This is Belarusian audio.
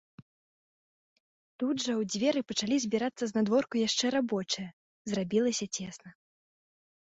Тут жа ў дзверы пачалі збірацца знадворку яшчэ рабочыя, зрабілася цесна.